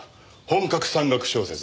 本格山岳小説。